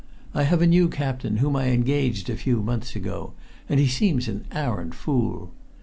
I have a new captain whom I engaged a few months ago, and he seems an arrant fool.